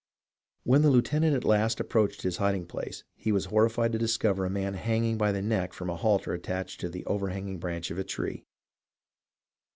When the lieutenant at last approached his hiding place, he was horrified to discover a man hanging by the neck from a halter attached to the overhanging branch of a tree.